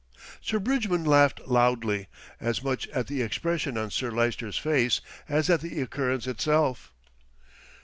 Sir Bridgman laughed loudly, as much at the expression on Sir Lyster's face as at the occurrence itself.